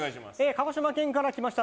鹿児島県から来ました